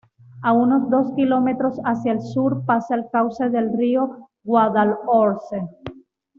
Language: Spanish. A unos dos kilómetros hacia el sur pasa el cauce del río Guadalhorce.